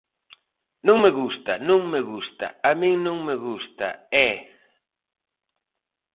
Non me gusta, non me gusta, a min non me gusta, ¡eh!